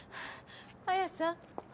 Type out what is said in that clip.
・綾さん。